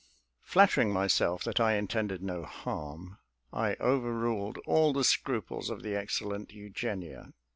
Flattering myself that I intended no harm, I overruled all the scruples of the excellent Eugenia.